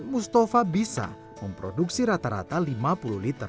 mustofa bisa memproduksi rata rata lima puluh liter pupuk cair